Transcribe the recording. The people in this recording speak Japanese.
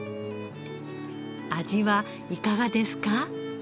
味はいかがですか？